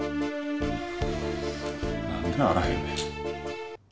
何であらへんねん。